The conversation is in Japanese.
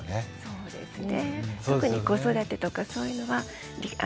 そうですね